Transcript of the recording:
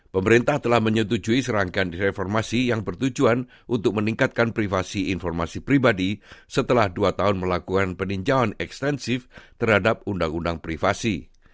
pemerintah telah menyetujui serangkaian direformasi yang bertujuan untuk meningkatkan privasi informasi pribadi setelah dua tahun melakukan peninjauan ekstensif terhadap undang undang privasi